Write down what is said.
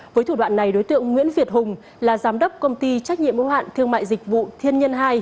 với thủ đoạn này đối tượng nguyễn việt hùng là giám đốc công ty trách nhiệm ủng hạn thương mại dịch vụ thiên nhân hai